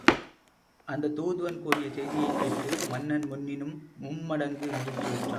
அந்தத் தூதுவன் கூறிய செய்தியைக் கேட்டு, மன்னன் முன்னினும் மும் மடங்கு மகிழ்ச்சியுற்றான்.